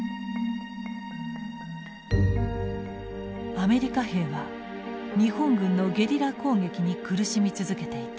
アメリカ兵は日本軍のゲリラ攻撃に苦しみ続けていた。